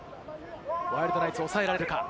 ワイルドナイツをおさえられるか。